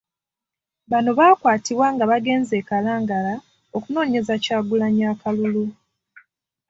Bano baakwatibwa nga bagenze e Kalangala okunoonyeza Kyagulanyi akalulu.